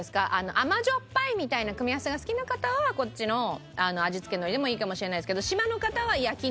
甘じょっぱいみたいな組み合わせが好きな方はこっちの味付け海苔でもいいかもしれないですけど。